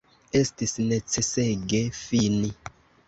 Estis necesege fini.